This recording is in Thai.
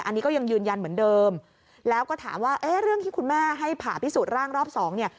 อันนี้ก็ยังยืนยันเหมือนเดิมแล้วก็ถามว่าเอ๊ะเรื่องที่คุณแม่ให้ผ่าพิสูจน์ร่างรอบสองเนี่ย